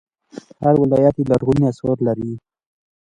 هر ولایت یې لرغوني اثار لري